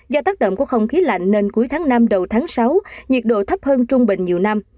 do tác động của không khí lạnh nên cuối tháng năm đầu tháng sáu nhiệt độ thấp hơn trung bình nhiều năm